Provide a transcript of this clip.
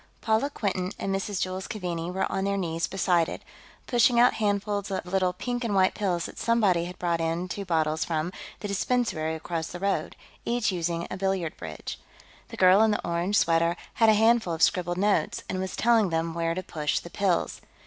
Paula Quinton and Mrs. Jules Keaveney were on their knees beside it, pushing out handfuls of little pink and white pills that somebody had brought in two bottles from the dispensary across the road, each using a billiard bridge. The girl in the orange sweater had a handful of scribbled notes, and was telling them where to push the pills.